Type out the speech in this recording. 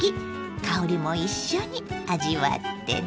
香りも一緒に味わってね。